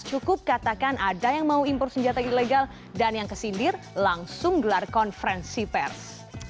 cukup katakan ada yang mau impor senjata ilegal dan yang kesindir langsung gelar konferensi pers